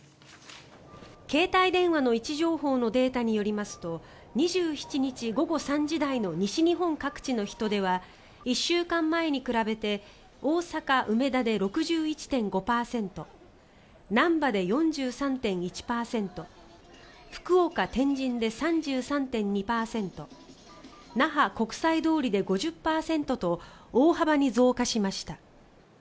携帯電話の位置情報のデータによりますと２７日午後３時台の西日本各地の人出は１週間前に比べて大阪・梅田で６１．５％なんばで４３．１％福岡・天神で３３．２％那覇・国際通りで５０％と大幅に増加しました。